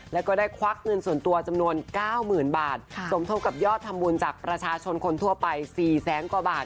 แล้วก็ได้ควักเงินส่วนตัวจำนวน๙๐๐๐บาทสมทบกับยอดทำบุญจากประชาชนคนทั่วไป๔แสนกว่าบาท